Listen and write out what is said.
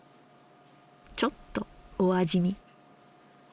ちょっとお味見。